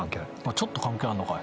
ちょっと関係あんのかい。